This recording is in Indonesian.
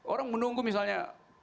orang menunggu misalnya